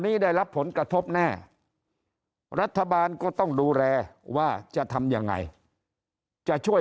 นี้ได้รับผลกระทบแน่รัฐบาลก็ต้องดูแลว่าจะทำยังไงจะช่วย